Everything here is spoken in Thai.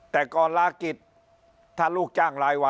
แต่ก่อนลากิจถ้าลูกจ้างรายวัน